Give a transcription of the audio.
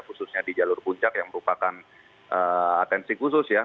khususnya di jalur puncak yang merupakan atensi khusus ya